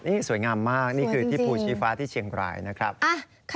นี่สวยงามมากนี่คือที่ภูชีฟ้าสถิตย์เชียงไทยนะครับดีนี่สวยจริง